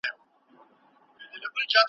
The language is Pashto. د دنیا په هیڅ ځای کي .